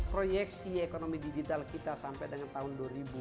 proyeksi ekonomi digital kita sampai dengan tahun dua ribu dua puluh